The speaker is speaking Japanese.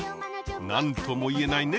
何とも言えないね